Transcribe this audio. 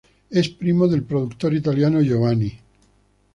Es primo del productor italiano Giovanni.